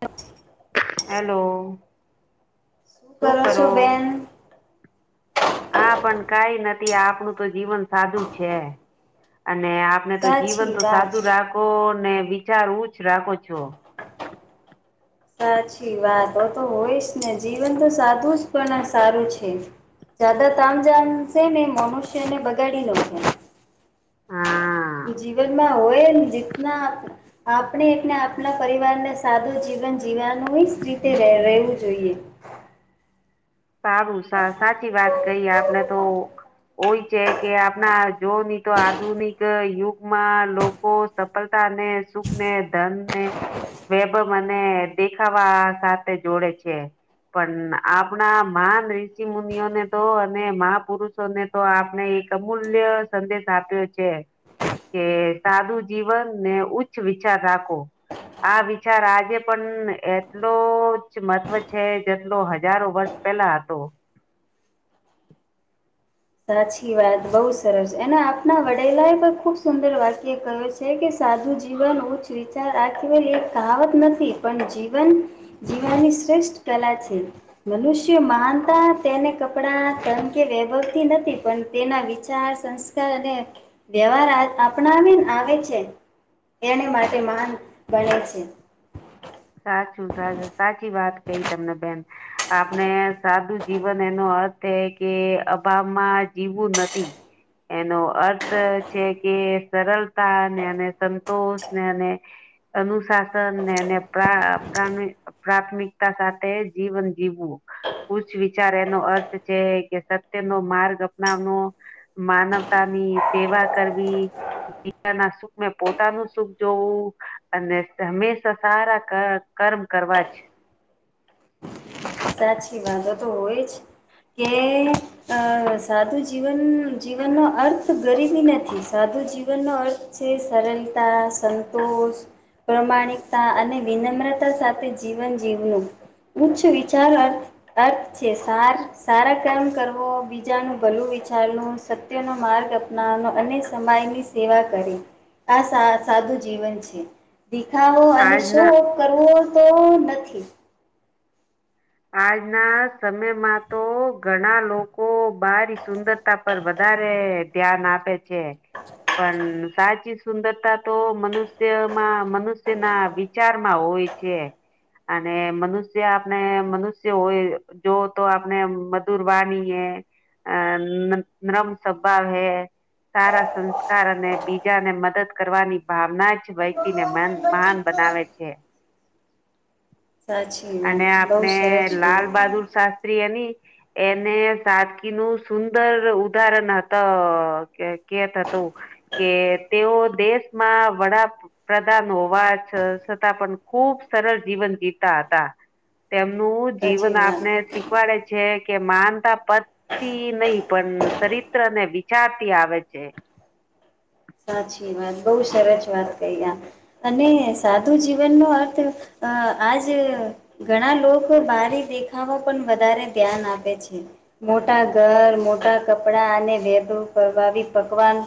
પછ [inaudible] હેલો. શું કરો છો બેન હા પણ કઈ નથી આપણું તો જીવન સાદું છે અને આપને તો જીવન સાચી તો વાત. સાદું રાખો ને વિચાર ઉચ્ચ રાખો છો સાચી વાત હા તો હોય જ ને જીવન તો સાદુ જ પણ સારું છે જદા તામ જામશે મે મનુષ્યને બગાડી નાખે હા જીવનમાં હોય ને જના. આપણે એટલે આપના પરિવારને સાદું જીવન જીવવાનું જ રીતે રહેવું જોઈએ. સારું સાચી વાત કહીએ આપને તો. હોય છે કે આપણા જો નહી તો આધુનિક યુગમાં. કો સફળતા ને સુખ ને ધનને. વેબ મને દેખાવા સાથે જોડે છે પણ આપ. આપણા મહાન ઋષિ મુનિઓને તો અને મહાપુરુષો ને તો આપણે એક અમૂલ્ય. સંદેશ આપ્યો છે. કે સાદું જીવન ને ઉચ્ચ વિચાર રાખો. આ વિચાર આજે પણ એટલો જ મહત્વ છે જેટલો હજારો વર્ષ. પેલા તો. સાચી વાત બઉુ સરસ અનેને આપના વડેલા એ પણ ખુબ સુંદર વાક્ય કહયો છે. છે કે સાદુ જીવન ઉચ્ચ વિચાર આવાય કાવત નથી પણ જીવન. જીવનની શ્રેષ્ઠ કલા છે. મનુષ્યો માનતા તેને કપડા ત કે વ્યવ. નથી પણ તેના વિચાર સંસ્કાર અને. વ્યવહાર અપનાવીને આવે છે એને માટે મહાન બને છે. સાચું સાું સાચી વાત કહી તમને બેન. આપણે સાદું જીવન એનો અર્થ એ કે અભાવમાં જીવવું નથી. એનો અર્થ છે કે સરળતા નેને સંતોષ નેને. અનુશાસન ને. પ્ર પ્રાથમિકતા સાથે જીવન જીવવું. પૂચ્ વિચાર એનો અર્થ છે કે સત્ય નો માર્ગ અપનાવનો. માનવતાની સેવા કરવી. બીજા ના સુખ ને પોતાનું સુખ જોવું અને હંમેશા સારા. કર્મ કરવા જ. સાચી વાતો તો હોય જ કે અ સાધું જીવન. જીવનનો અર્થ ગરીબ. નથી સાધુ જીવનનોો અર્થ છે સરળતા સંતોષ. પ્રમાણિકતા અને વિનમ્રતા સાથે જીવન જીવનું ઉચ્ચ. ચારારર્થ. અર્થ છે સાર સારા કામ કરવો બીજાનું ભલું વિચારનું. નો માર્ગ અપનાવનો અને સમમાયની સેવા કરીે. આ સા સાદું જીવન છે. દેખાવો અને શો આજના કરવો તો નથી. આજના સમયમાં તો ઘણા લોકો બારી સુંદરતા. પર વધારે ધ્યાન આપે છે. પણ સાચી સુંદરતા તો મનુષ્યમાં મનુષ્યના વિચારમાં હોય. અને મનુષ્ય આપણે. મનુષ્ય હોય જો તો આપને મધુર વાનીએ. અ નરમ સ્વભાવ હૈ. સારા સંસ્કાર અને બીજાને મદદ કરવાની ભાવના જ વ્યક્તિ ને મહાન. બનાવે છે. સાચી વાત બ અને લાલ બહાદુર શાસ્ત્રી એની. એને સાદકી નું સુંદર ઉદાહરણ હત કેત હતું. કે તેઓ દેશમાં વડા. પ્રધાન હોવા છ છતાં પણ ખુબ સરળ જીવન જીવતા હતા. તેમનું સાચી જીવન વાત આપને શીખવાડે છે કે માનતા પ તિ નહ પણ ચરિત્ર અને વિચારથી આવે છે. સાચી વાત બહુ સરસ વાત કહી આ અને સાધું જીવનનો અર્થ અ આજ ઘણા લોકો બારી દેખાવા પણ વધારે ધ્યાન આપે છે મોટા ઘર મોટા કપડા અને વેધુ કરવાી પકવાન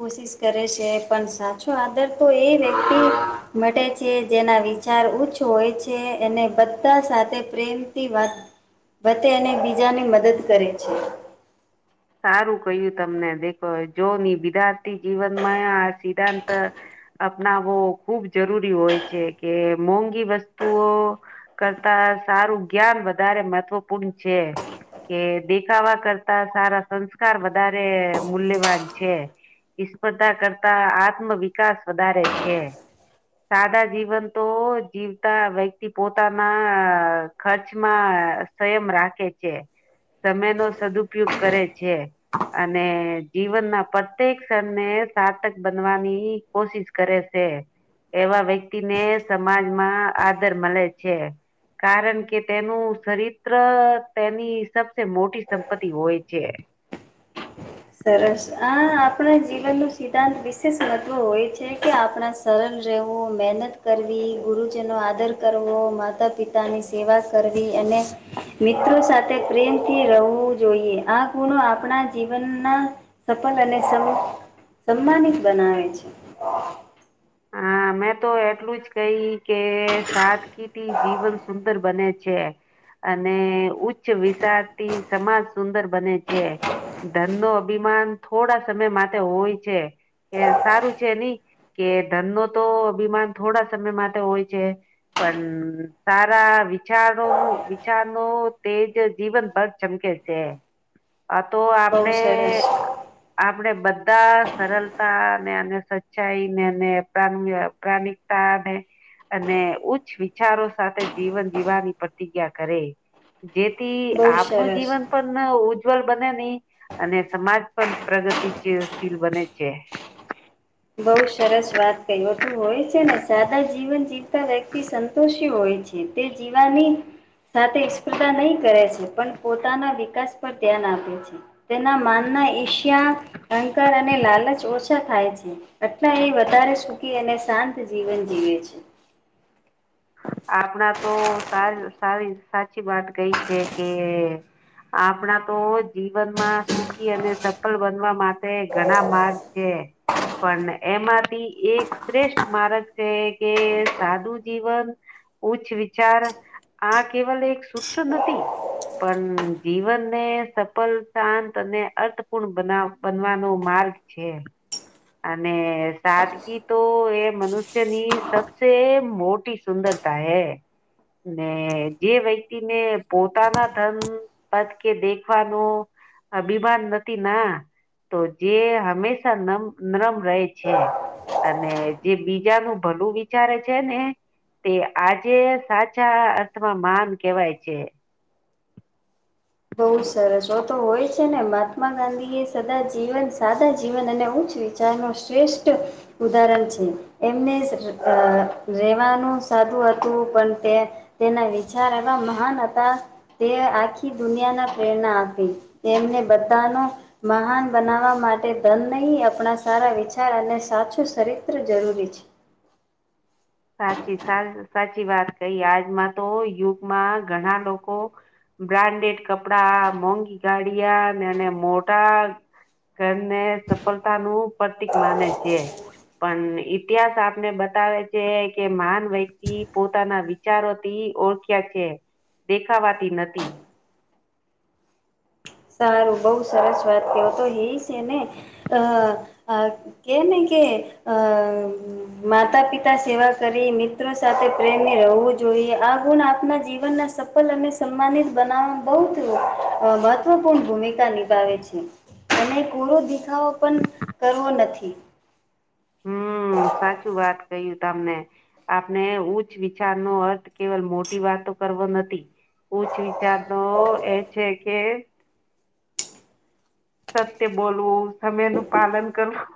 કોશિશ કરે છે પણ સાચો આદર તો એ વ્યક્તિ મ છે જેના વિ ચાર ઉચ્ચ હોય છે અનેને બધા સાથે પ્રેમથી વાત વ એને બીજા ને મદદ કરે છે સારું કહ્યું તમને દેખો જો ની બધાર્થી જીવનમાં આ સિદ્ધાંત અપનાવો ખૂબ જરૂરી હોય છે કે મોંઘી વસ્તુઓ કરતા સારું જ્ઞાન વધારે મહત્વપૂર્ણ છે કે દેખાવા કરતા સારા સંસ્કાર વધારે મૂલ્યવાન છે સ્પર્ધા કરતા આત્મ વિકાસ વધારે છે સાદા જીવન તો જીવતા વ્યક્તિ પોતાના ખર્ચમાં સંયમ રાખે છે સમય નો સદુપયોગ કરે છે છે અને જીવનના પ્રત્યેક ક્ષણ ને સાર્થક બનવાની કોશિશ કરે છે એવા વ્યક્તિ ને સમાજમાં આદર મળે છે કારણ કે તેનું ચરિત્ર તેની સબસે મોટી સંપત્તિ હોય છે સરસ આ આપણા જીવનનો સિદ્ધાંત વિશેષ મહત્વ હોય છે કે આપણા સરળ રહેવું મહેનત કરવી ગુરુજીનો આદર કરવો માતા પિતા પોતાની સેવા કરવી અને મિત્રો સાથે પ્રેમથી રહેવું જોઈએ આ ગુણો આપણા જીવન ના સફલ અને સમમાનિત બનાવે છે હા હમ મેં તો એટલું જ કહી કે સાદગીતી જીવન સુંદર બને છે અને ઉચ્ચ વિશારથી સમાજ સુંદર બને છે ધન નો અભિમાન થોડા સમય માટે હોય છે કે સારું છે નઈ કે ધન નો તો અભિમાન થોડા સમય માટે હોય છે પણ સારા વિચારોનું વિચારનોો તેજ જીવન ભર ચમકે છે આ તો બહુ આપણે સરસ આપડે બધા સરળતા ને અને સચ્ચાઈને એને પ્રાણ પ્રાણિકતા અને અને ઉચ્ચ વિચારો સાથે જીવન જીવવાની પ્રતિજ્ઞા કરે જેથી બહુ આપનું સરસ જીવન પણ ઉજ્જવલ બને નહી અને સમાજ પણ પ્રગતિશીલ બને છે બઉુ સરસ વાત ક તોું હોય છે ને સાદા જીવન જીવતા વ્યક્તિ ષી હોય છે તે જીવાની સાથે સ્પર્ધા નહીં કરે છે પણ પોતાના વિકાસ પર ધ્યાન આપે છે તેના માનના ઈશ્યા અંકર અને લાલચ ઓછા થાય છે એટલા એ વધારે સુખી અને શાંત જીવન જીવે છે આપણા તો સ સારી સાચી વાત કઈ છે કે આપણા તો જીવનમાં સુખી અને સફળ બનવા માટે ઘણા માર્ગ છે પણ એમાંથી એક શ્રેષ્ઠ મારક છે કે સાધુ જીવન ઉચ્ચ વિચાર આ કેવલ એક સૂત્ર નથી પણ જીવનને સફલ શાંત અને અર્થપૂર્ણ બનવાનો માર્ગ છે અને સાદગી તો એ મનુષ્યની સબસે મોટી સુંદર હે ને જે વ્યક્તિને પોતાના ધન પદ કે દેખવાનું અભિમાન નથી ના તો જે હંમેશા નમ નરમ રહે છે અને જે બીજાનું ભલું વિચારે છે ને તે આજે સાચા અર્થમાં માન કેવાય છે બહુ સરસ હો તો હોય છે ને મહાત્મા ગાંધી એ સદા જીવન સાદા જીવન અને ઉઊચવીચ તેનુ શ્રેષ્ઠ ઉદાહરણ છે એમને રહેેવાનું સાધું હતું પણ તે તેના વિચાર હતા મહાન હતા તે આખી દુનિયા ના પ્રેરણા આપી એમને બધાનો મહાન બનાવવા માટે ધન ન આપણા સારા વિચાર અને સાચું ચરિત્ર જરૂરી છે સાચી સાચી વાત કહી આજમાં તો યુગમાં ઘણા લોકો બ્રાન્ડેડ કપડા મોંઘી ગાડીયા અને મોટા ઘને સફળતા નું પ્રતિક માને છે પણ ઇતિહાસ આપને બતાવે કે મહાન વ્યક્તિ પોતાના વિચારોથી ઓળખ્યા છે દેખાવાતી નથી સારું બહુ સરસ વાત કો તો એ છે ને અ આ કેને કે આ માતા પિતા સેવા કરી મિત્રો સાથે પ્રેમ રહેવું જોઈએ આ ગુણ આપના જીવન ના સ સંપણ અને સન્માનિત બનાવવામાં બહુ મહત્વપૂર્ણ ભૂમિકા નિભાવે છે અને પૂરો દેખાવો પણ કરવો નથી હમ સાચું વાત કય્યું તમને આપણે ઉચ્ચ વિચાર નો અર્થ કેવલ મોટી વાતો તો કરવો નથી ઉચ્ચ વિચાર તો એ છે કે સત્ય બોલવું સમય નું પાલન કરવું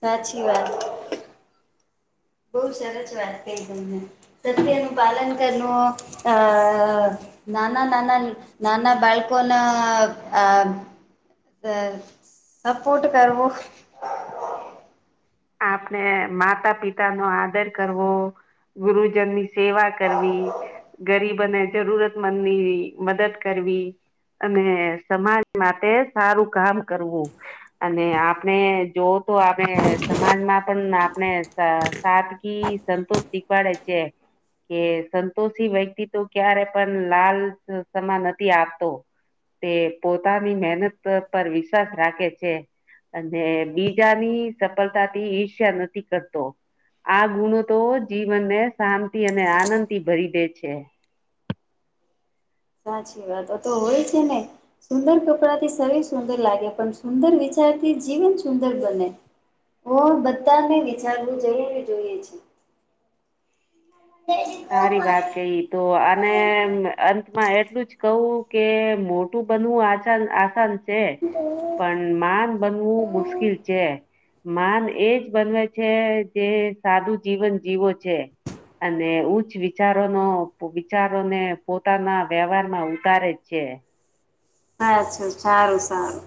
સાચી વાત બહુ સરસ વાત કહી તમને સત્યનું પાલન કરવું આ નાના નાના નાના બાલ્કોન આ હ સપોર્ટ કરવો આપણે માતા પિતા નો આદર કરવો ગુરુજનની સેવા કરવી ગરીબોને જરૂરતમંદ ની મદદ કરવી અને સમાજ માટે સારું કામ કરવું અને આપણે જોવ તો આપણે સમાજમાં પણ આપણે સાદગી સંતોષ શીખવાડે છે કે સંતોષી વ્યક્તિ તો ક્યારે પણ લાલ સમા નથી આપતો તે પોતાની મહેનત પર વિશ્વાસ રાખે છે અને બીજાની સફળતા થી ઈર્ષ્ય નથી કરતો આ ગુણો તો જીવનને શાંતિ અને આનંદ થી ભરી દે છે સાચી વાતો તો હોય છે, ને સુંદર કપડા થી શરીર સુંદર લાગે પણ સુંદર વિચારથી જીવન સુંદર બને હ બધાને વિચારવું જરૂરી જોઈએ છે. સારી વાત કહી તો આને અંતમાં એટલું જ કહું કે મોટું બનવું આ આસાન છે પણ માન બનવું મુશ્કેલ છે. માન એજ બનેવે છે, જે સાદું જીવન જીવો છે. અને ઉચ્ચ વિચારો ન વિચારોને પોતાના વ્યવહાર માં ઉતારે જ છે. સા છું સારું સારું